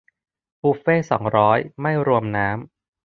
บุฟเฟ่ต์สองร้อย ไม่รวมน้ำ